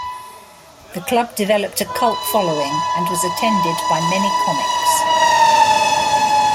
The club developed a cult following and was attended by many comics.